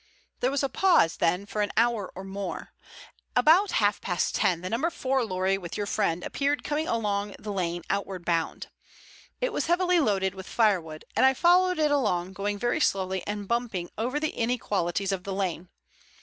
"There was a pause then for an hour or more. About half past ten the No. 4 lorry with your friend appeared coming along the lane outward bound. It was heavily loaded with firewood and I followed it along, going very slowly and bumping over the inequalities of the lane.